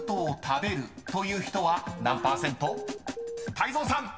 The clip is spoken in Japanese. ［泰造さん］